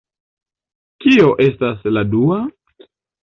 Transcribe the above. Kio estas la dua?